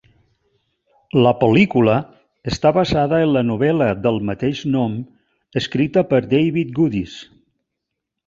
La pel·lícula està basada en la novel·la del mateix nom escrita per David Goodis.